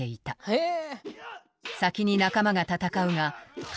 へえ。